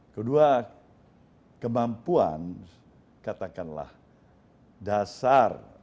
kedua kemampuan katakanlah dasar